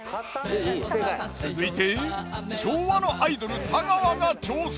続いて昭和のアイドル太川が挑戦。